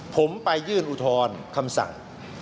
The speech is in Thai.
ผมไปยื่นอุทธรณ์คำสั่ง